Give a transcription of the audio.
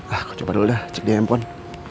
aku coba dulu dah cek di handphone